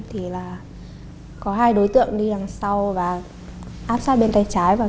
thì là có hai đối tượng đi đằng sau và áp sát bên tay trái và cướp